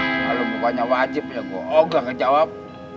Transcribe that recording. ah kalau bukannya wajib ya gue ogah ngejawab